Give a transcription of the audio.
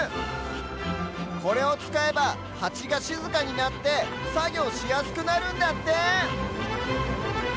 これをつかえばハチがしずかになってさぎょうしやすくなるんだって！